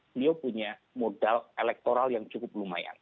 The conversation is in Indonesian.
beliau punya modal elektoral yang cukup lumayan